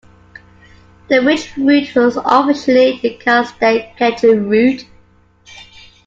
The Ridge Route was officially the Castaic-Tejon Route.